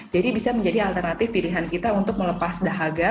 jadi bisa menjadi alternatif pilihan kita untuk melepas dahaga